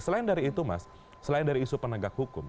selain dari itu mas selain dari isu penegak hukum